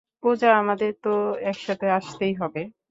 পূজা, আমাদের তো একসাথে আসতেই হবে।